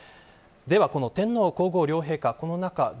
では、この天皇皇后両陛下